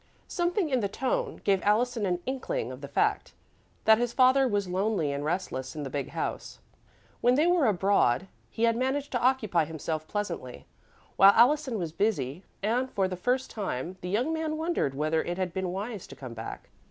Something in the tone gave Allison an inkling of the fact that his father was lonely and restless in the big house. When they were abroad, he had managed to occupy himself pleasantly while Allison was busy, and, for the first time, the young man wondered whether it had been wise to come back.